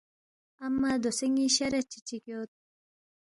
امّہ دوسے ن٘ی شرط چِی چِک یود